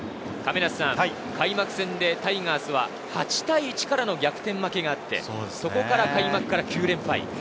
開幕戦でタイガースは８対１からの逆転負けがあって、そこから９連敗。